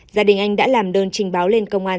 gia đình anh đã làm đơn trình báo lên công an